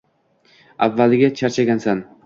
Avvaliga Charchagansan